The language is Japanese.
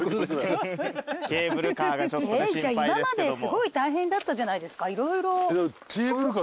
今まですごい大変だったじゃないですか？